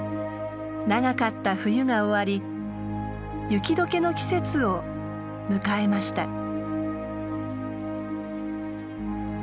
長かった冬が終わり雪解けの季節を迎えました。